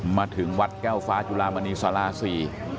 มาถึงวัดแก้วฟ้าจุลามณีสาราสี่